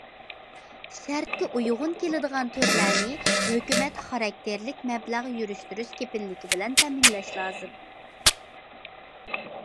شەرتكە ئۇيغۇن كېلىدىغان تۈرلەرنى ھۆكۈمەت خاراكتېرلىك مەبلەغ يۈرۈشتۈرۈش كېپىللىكى بىلەن تەمىنلەش لازىم.